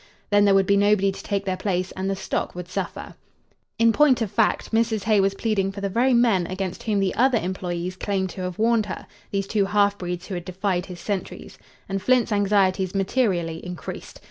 Then there would be nobody to take their place and the stock would suffer. In point of fact, Mrs. Hay was pleading for the very men against whom the other employés claimed to have warned her these two halfbreeds who had defied his sentries, and Flint's anxieties materially increased.